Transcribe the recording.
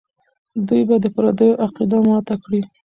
دوی به د پردیو عقیده ماته کړي.